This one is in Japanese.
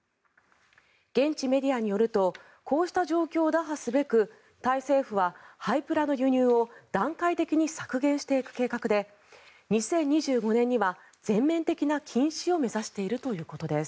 現地メディアによるとこうした状況を打破すべくタイ政府は、廃プラの輸入を段階的に削減していく計画で２０２５年には全面的な禁止を目指しているということです。